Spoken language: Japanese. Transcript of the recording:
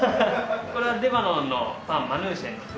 これはレバノンのパンマヌーシェ。